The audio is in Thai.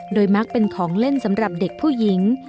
โดยมักเป็นของเล่นสำหรับเด็กผู้หญิง